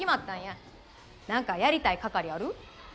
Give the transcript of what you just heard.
何かやりたい係ある？